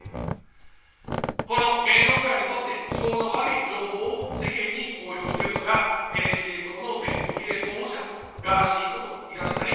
この、芸能界にとって都合の悪い情報を世間に公表しているのがＮＨＫ党の全国比例候補者ガーシーこと東谷義和です。